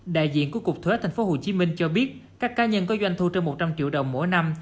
đại diện của cục thuế tp hcm cho biết các cá nhân có doanh thu trên một trăm linh triệu đồng mỗi năm